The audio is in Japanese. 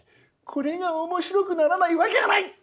これが面白くならないわけがない！